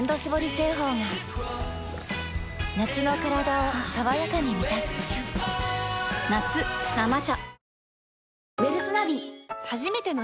製法が夏のカラダを爽やかに満たす夏「生茶」